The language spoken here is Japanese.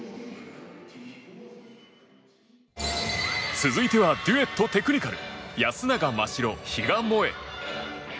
続いてはデュエット・テクニカル安永真白・比嘉もえ。